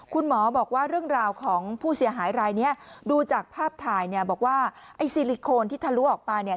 คุณหมอบอกว่าเรื่องราวของผู้เสียหายรายเนี้ยดูจากภาพถ่ายเนี่ยบอกว่าไอ้ซิลิโคนที่ทะลุออกมาเนี่ย